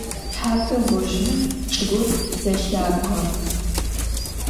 Thepe ğojıme çç'ıgur zelhabğe.